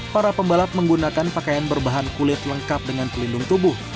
para pembalap menggunakan pakaian berbahan kulit lengkap dengan pelindung tubuh